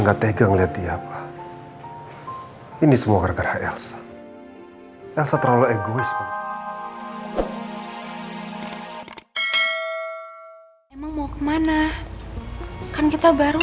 kehidupan jemput kamu